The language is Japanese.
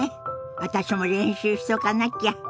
私も練習しとかなきゃ。